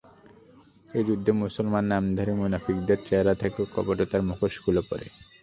এ যুদ্ধে মুসলমান নামধারী মুনাফিকদের চেহারা থেকে কপটতার মুখোশ খুলে পড়ে।